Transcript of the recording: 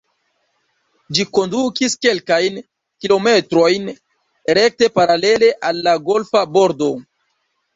Ĝi kondukis kelkajn kilometrojn rekte paralele al la golfa bordo.